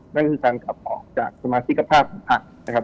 นั่นคือการขับออกจากสมาธิกภาพของภักดิ์